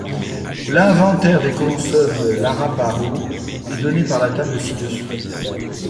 L'inventaire des consonnes de l'arapaho est donné par la table ci-dessous.